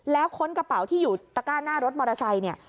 แล้วค้นกระเป๋าที่อยู่ตะก้าหน้ารถมอเตอร์ไซค์เนี่ย